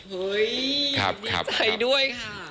เฮ้ยดีใจด้วยค่ะ